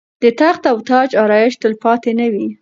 د تخت او تاج آرایش تلپاتې نه وي.